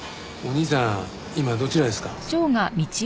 お兄さん今どちらですか？